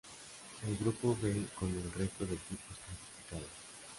El grupo B con el resto de equipos clasificados.